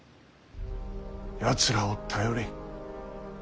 やつらを頼れ。